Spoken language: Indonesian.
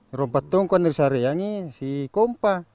yang satu patung ini adalah si kompa